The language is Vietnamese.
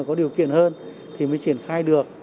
có điều kiện hơn thì mới triển khai được